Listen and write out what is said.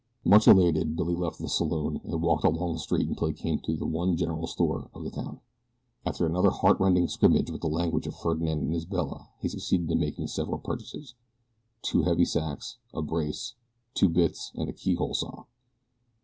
Much elated, Billy left the saloon and walked along the street until he came to the one general store of the town. After another heart rending scrimmage with the language of Ferdinand and Isabella he succeeded in making several purchases two heavy sacks, a brace, two bits, and a keyhole saw.